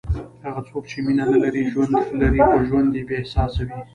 هغه څوک چې مینه نه لري، ژوند لري خو ژوند یې بېاحساسه وي.